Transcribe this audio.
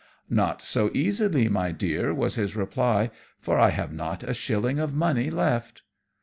"Not so easily, my Dear," was his reply, "for I have not a shilling of money left."